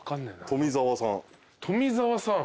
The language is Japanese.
富澤さん。